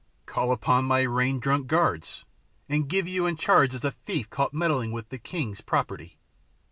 "Call up my rain drunk guards, and give you in charge as a thief caught meddling with the king's property."